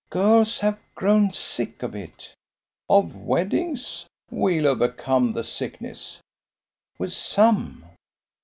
"Girls have grown sick of it." "Of weddings? We'll overcome the sickness." "With some."